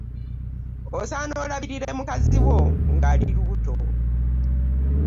Osaana olabirire mukazi wo ng'ali lubuto.